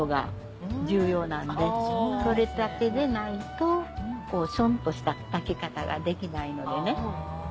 取れたてでないとしょんとした炊き方ができないのでね。